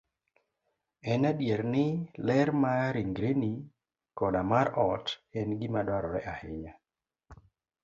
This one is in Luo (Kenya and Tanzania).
En adier ni, ler mar ringreni koda mar ot, en gima dwarore ahinya.